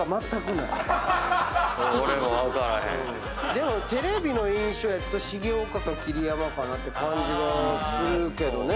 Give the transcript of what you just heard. でもテレビの印象やと重岡か桐山かなって感じはするけどね。